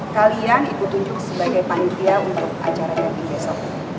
kalian itu tunjuk sebagai panitia untuk acaranya di besok